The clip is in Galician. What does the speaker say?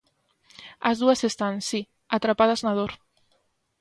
A dúas están, si, atrapadas na dor.